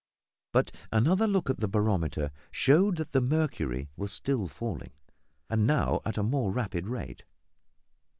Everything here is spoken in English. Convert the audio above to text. But another look at the barometer showed that the mercury was still falling, and now at a more rapid rate.